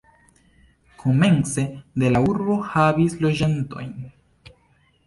Komence de la urbo havis loĝantojn.